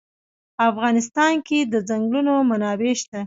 په افغانستان کې د ځنګلونه منابع شته.